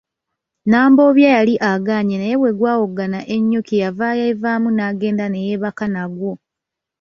Nambobya yali agaanyi naye bwegwawoggana ennyo kyeyava yeevaamu n’agenda ne yeebaka nagwo.